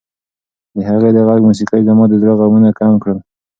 د هغې د غږ موسیقۍ زما د زړه غمونه کم کړل.